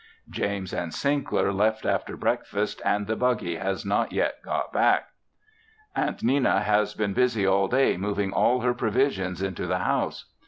James and Sinkler left after breakfast and the buggy has not yet got back. Aunt Nenna has been busy all day moving all her provisions into the house.